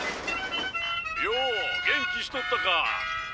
よお元気しとったか。